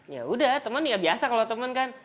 ya udah temen ya biasa kalau temen kan